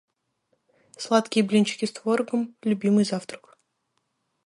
Сладкие блинчики с творогом - любимый завтрак.